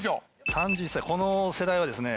３１歳この世代はですね